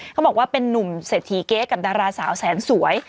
เขาบอกว่าเป็นนุ่มเศรษฐีเก๊กับดาราสาวแสนสวย